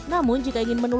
namun jika ingin menolong kota